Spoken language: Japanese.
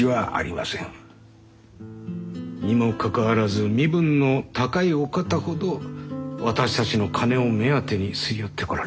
にもかかわらず身分の高いお方ほど私たちの金を目当てに擦り寄ってこられます。